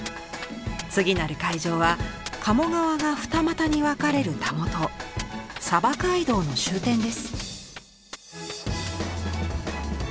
次なる会場は鴨川が二股に分かれるたもと街道の終点です。